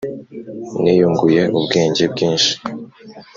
niyunguye ubwenge bwinshi.